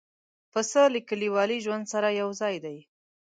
پسه له کلیوالي ژوند سره یو ځای دی.